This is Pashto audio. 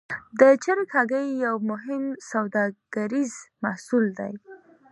د چرګ هګۍ یو مهم سوداګریز محصول دی.